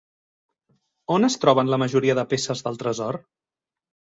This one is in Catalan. On es troben la majoria de peces del tresor?